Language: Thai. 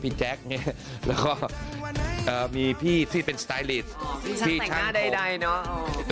พี่แจ๊กเนี่ยแล้วก็เอ่อมีพี่ที่เป็นสไตลิสพี่ชั้นแต่งหน้าใดใดเนอะ